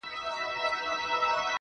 زړه راته زخم کړه، زارۍ کومه.